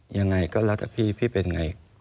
ยังไงก็แล้วแต่พี่พี่เป็นไง